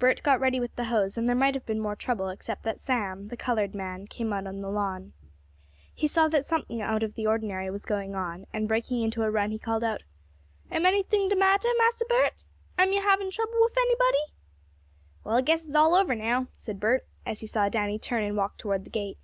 Bert got ready with the hose, and there might have been more trouble, except that Sam, the colored man, came out on the lawn. He saw that something out of the ordinary was going on, and breaking into a run he called out: "Am anything de mattah, Massa Bert? Am yo' habin' trouble wif anybody?" "Well, I guess it's all over now," said Bert, as he saw Danny turn and walk toward the gate.